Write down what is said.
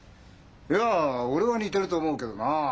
いや俺は似てると思うけどなあ。